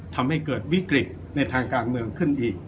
ทำให้เกิดวิกฤตในทางการเมืองขึ้นอีก